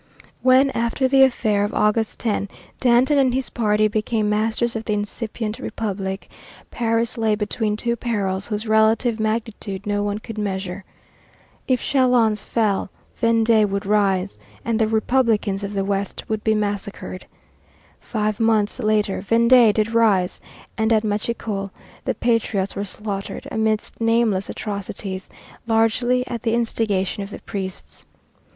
When, after the affair of August 10, Danton and his party became masters of the incipient republic, Paris lay between two perils whose relative magnitude no one could measure. If Châlons fell, Vendée would rise, and the Republicans of the West would be massacred. Five months later Vendée did rise, and at Machecoul the patriots were slaughtered amidst nameless atrocities, largely at the instigation of the priests.